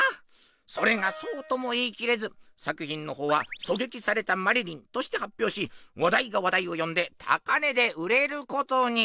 それがそうとも言い切れず作品の方は「狙撃されたマリリン」として発表し話題が話題を呼んで高値で売れることに。